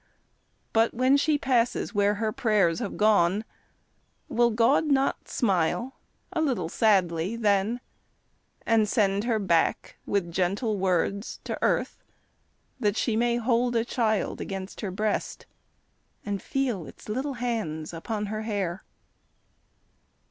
But when she passes where her prayers have gone, Will God not smile a little sadly then, And send her back with gentle words to earth That she may hold a child against her breast And feel its little hands upon her hair?